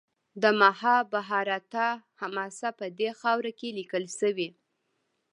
د مهابهاراتا حماسه په دې خاوره کې لیکل شوې.